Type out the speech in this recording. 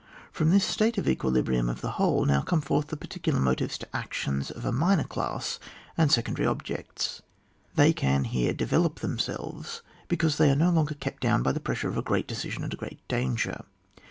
From this state of equilibrium of the whole now come forli the particular motives to actions of a minor class and secondary objects. They can here de velop themselves, because they are no longer kept down by the pressure of a great decision and great danger.